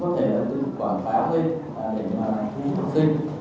cũng có thể là tư quản phá lên để mà thu hút học sinh